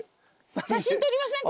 写真撮りません？